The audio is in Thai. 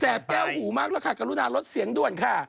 แก้วหูมากแล้วค่ะกรุณาลดเสียงด่วนค่ะ